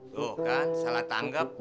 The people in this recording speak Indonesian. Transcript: tuh kan salah tanggap